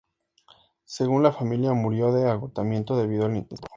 Según la familia murió de agotamiento debido al intenso trabajo.